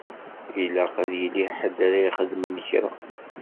Ilaq ad yili ḥedd ara ixedmen kra.